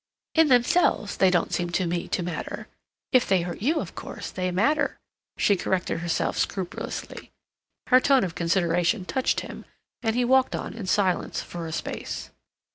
"In themselves they don't seem to me to matter; if they hurt you, of course they matter," she corrected herself scrupulously. Her tone of consideration touched him, and he walked on in silence for a space.